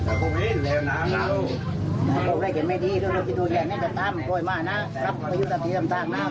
นี่จะตามโปรดมานะรับผลพยุตศัพทีต่างนะครับ